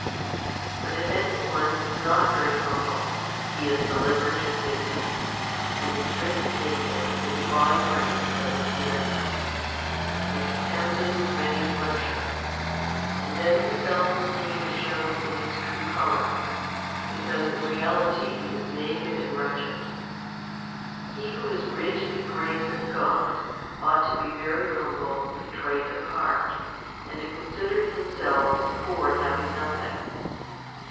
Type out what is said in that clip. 3. But if any one is not very humble, he is delivered to Satan, and is stripped naked of the divine grace that was given him, and is tempted with many afflictions, and then his self esteem is shewn in its true colours, because in reality he is naked and wretched. He who is rich in the grace of God ought to be very humble and contrite of heart, and to consider himself as poor and having nothing.